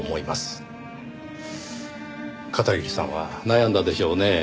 片桐さんは悩んだでしょうねぇ。